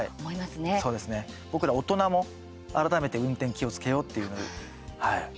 僕ら大人も改めて運転気をつけようっていう。